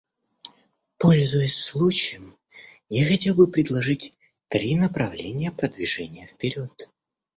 Пользуясь случаем, я хотел бы предложить три направления продвижения вперед.